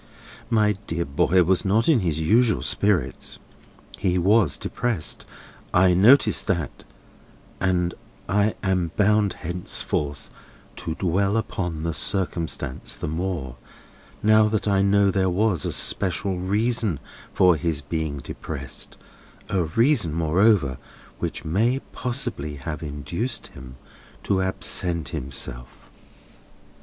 My dear boy was not in his usual spirits; he was depressed—I noticed that—and I am bound henceforth to dwell upon the circumstance the more, now that I know there was a special reason for his being depressed: a reason, moreover, which may possibly have induced him to absent himself."